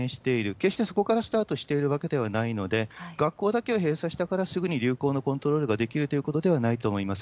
決してそこからスタートしているわけではないので、学校だけを閉鎖したから、すぐに流行のコントロールができるということではないと思います。